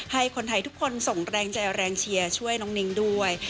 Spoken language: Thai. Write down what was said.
ให้คนไทยทุกคนส่งแรงใจแรงเชียร์ช่วยน้องนิ้งด้วย